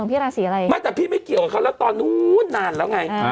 พี่ราศีอะไรไม่แต่พี่ไม่เกี่ยวกับเขาแล้วตอนนู้นนานแล้วไง